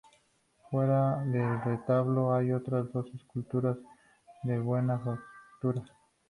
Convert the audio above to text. Fuera del retablo hay otras dos esculturas de buena factura.